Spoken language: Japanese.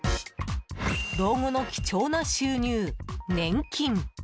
老後の貴重な収入、年金。